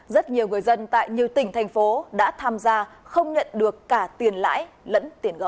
rất nhiều người dân tại nhiều tỉnh thành phố đã tham gia không nhận được cả tiền lãi lẫn tiền góp